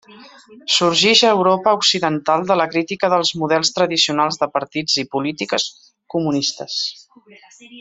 Sorgix a Europa occidental de la crítica dels models tradicionals de partits i polítiques comunistes.